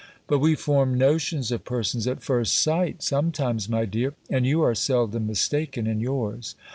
"But we form notions of persons at first sight, sometimes, my dear; and you are seldom mistaken in yours."